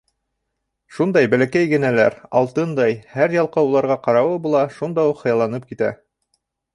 Шундай бәләкәй генәләр, алтындай, һәр ялҡау уларға ҡарауы була, шунда уҡ хыялланып китә.